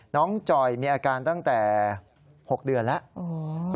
จ่อยมีอาการตั้งแต่๖เดือนแล้ว